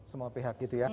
semua pihak gitu ya